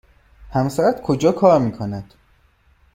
همسرت کجا کار می کند؟